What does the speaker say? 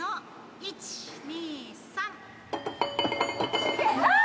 １、２、３。